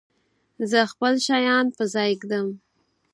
زه خپل شیان په ځای ږدم.